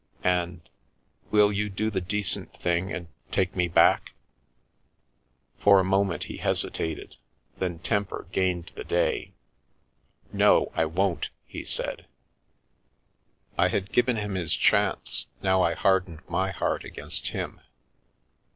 And — will you do the decent thing and take me back? " For a moment he hesitated, then temper gained the day. " No, I won't," he said. I had given him his chance, now I hardened my heart against him.